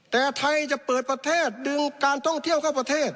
แต่ไทยจะเปิดประเทศดึงการท่องเที่ยวเข้าประเทศ